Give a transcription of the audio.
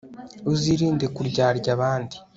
uzirinde kuryarya abandi